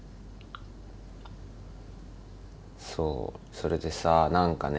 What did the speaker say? そうそれでさ何かね